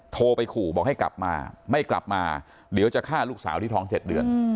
โทรไปขู่บอกให้กลับมาไม่กลับมาเดี๋ยวจะฆ่าลูกสาวที่ท้อง๗เดือน